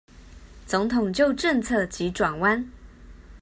總統就政策急轉彎